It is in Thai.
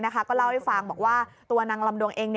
ก็เล่าให้ฟังบอกว่าตัวนางลำดวงเอง